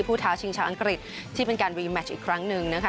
ท้าชิงชาวอังกฤษที่เป็นการรีแมชอีกครั้งหนึ่งนะคะ